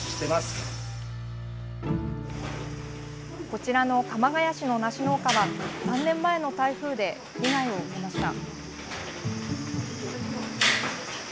こちらの鎌ケ谷市の梨農家は３年前の台風で被害を受けました。